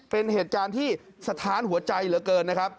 เป็นเหตุการณ์ที่สะท้านหัวใจเหลือเกินนะครับ